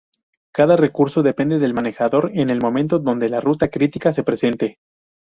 Cada recurso depende del manejador en el momento donde la ruta crítica se presente.